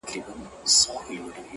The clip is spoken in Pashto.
• ستا د يوې لپي ښكلا په بدله كي ياران ـ